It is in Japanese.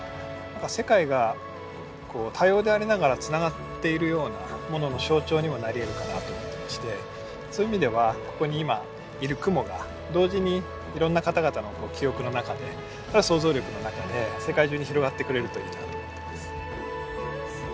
世界が多様でありながらつながっているようなものの象徴にもなりえるかなと思ってましてそういう意味ではここに今いる雲が同時にいろんな方々の記憶の中で想像力の中で世界中に広がってくれるといいなと思ってます。